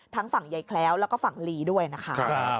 ฝั่งยายแคล้วแล้วก็ฝั่งลีด้วยนะคะ